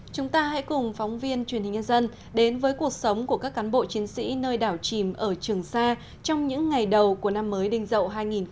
chúng ta hãy cùng phóng viên truyền hình nhân dân đến với cuộc sống của các cán bộ chiến sĩ nơi đảo chìm ở trường sa trong những ngày đầu của năm mới đình dậu hai nghìn hai mươi